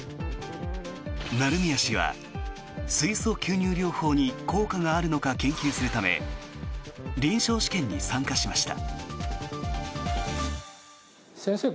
成宮氏は水素吸入療法に効果があるのか研究するため臨床試験に参加しました。